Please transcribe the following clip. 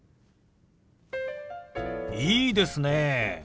いいですね。